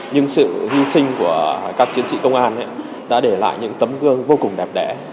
nhưng sự hy sinh của các chiến sĩ công an đã để lại những tấm gương vô cùng đẹp đẽ